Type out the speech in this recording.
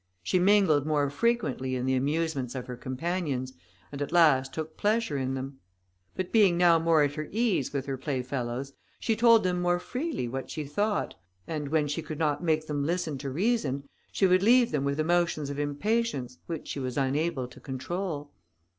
She mingled more frequently in the amusements of her companions, and at last took pleasure in them. But being now more at her ease with her playfellows, she told them more freely what she thought, and when she could not make them listen to reason, she would leave them with emotions of impatience, which she was unable to control.